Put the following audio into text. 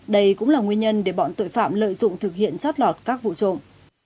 đây cũng là nguyên nhân để bọn tội phạm lợi dụng thực hiện chót lọt các vụ trộm